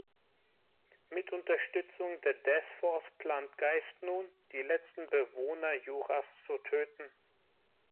Mit Unterstützung der Death Force plant Geist nun, die letzten Bewohner Juras zu töten.